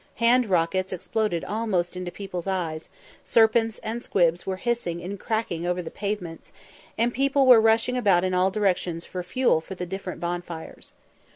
Hand rockets exploded almost into people's eyes serpents and squibs were hissing and cracking over the pavements and people were rushing in all directions for fuel for the different bonfires.